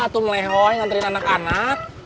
atau melehoi nganterin anak anak